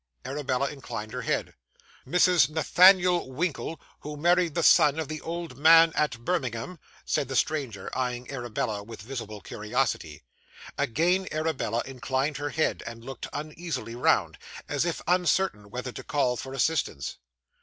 Arabella inclined her head. 'Mrs. Nathaniel Winkle, who married the son of the old man at Birmingham?' said the stranger, eyeing Arabella with visible curiosity. Again Arabella inclined her head, and looked uneasily round, as if uncertain whether to call for assistance.